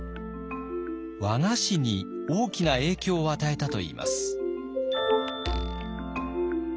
和菓子に大きな影響を与えたといいます。